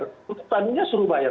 tutup tanunya suruh bayar